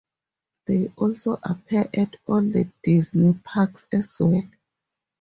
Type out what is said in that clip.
They also appear at all the Disney Parks as well.